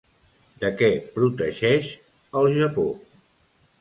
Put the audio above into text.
De què protegeix el Japó?